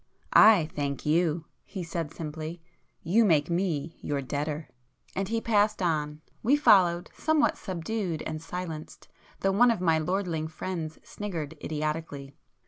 "I thank you!" he said simply—"You make me your debtor." And he passed on; we followed, somewhat subdued and silenced, though one of my lordling friends sniggered idiotically.